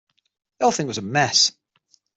The whole thing was a mess.